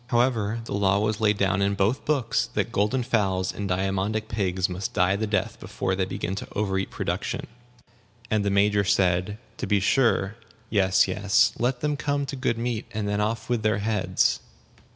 However, the law was laid down in both books that golden fowls and diamondic pigs must die the death before they begin to overeat production; and the Major said, "To be sure. Yes, yes. Let them come to good meat, and then off with their heads."